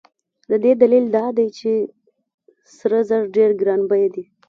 د دې دلیل دا دی چې سره زر ډېر ګران بیه دي.